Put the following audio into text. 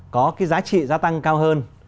có cái giá trị gia tăng cao hơn